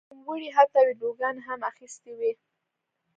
نوموړي حتی ویډیوګانې هم اخیستې وې.